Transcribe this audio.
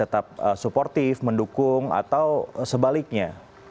tetap suportif mendukung atau sebaliknya